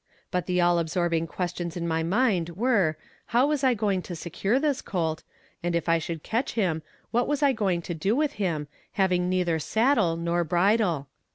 But the all absorbing questions in my mind were how was I going to secure this colt, and if I should catch him what was I going to do with him, having neither saddle nor bridle?